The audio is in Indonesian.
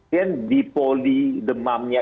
yang dipoli demamnya